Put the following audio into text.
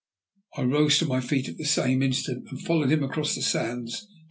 I rose to my feet at the same instant, and followed him across the sands to where the men stood.